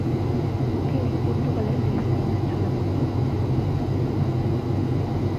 তিনি পর্তুগালের লিসবনে চলে যান।